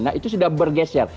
nah itu sudah bergeser